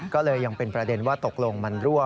ก็เลยยังเป็นประเด็นว่าตกลงมันรั่ว